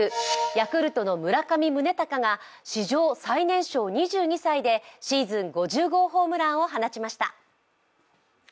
ヤクルトの村上宗隆が史上最年少２２歳でシーズン５０号ホームランを放ちました。